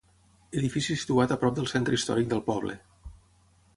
Edifici situat a prop del centre històric del poble.